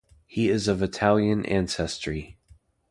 He is of Italian ancestry.